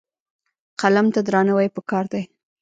قلم ته درناوی پکار دی.